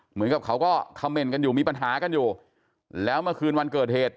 เหมือนกับเขาก็คำเมนต์กันอยู่มีปัญหากันอยู่แล้วเมื่อคืนวันเกิดเหตุ